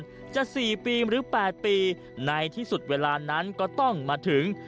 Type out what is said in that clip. จะ๔ปีหรือ๘ปีในที่สุดเวลานั้นก็ต้องมาถึง